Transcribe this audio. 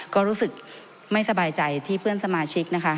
ก็รู้สึกไม่สบายใจที่เพื่อนสมาชิกนะคะ